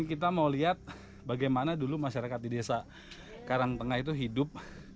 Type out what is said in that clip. kita mau lihat bagaimana dulu masyarakat di desa karangtengah itu hidup